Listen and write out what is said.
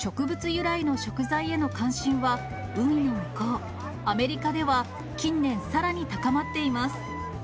由来の食材への関心は、海の向こう、アメリカでは、近年、さらに高まっています。